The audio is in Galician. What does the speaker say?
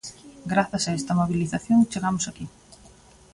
Grazas a esta mobilización chegamos aquí.